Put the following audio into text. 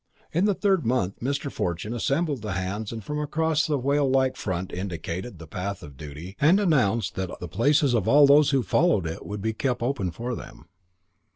In the third month Mr. Fortune assembled the hands and from across the whale like front indicated the path of duty and announced that the places of all those who followed it would be kept open for them.